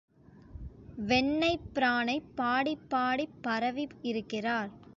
வெண்ணெய்ப் பிரானைப் பாடிப் பாடிப் பரவி இருக்கிறார்.